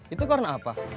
itu karena apa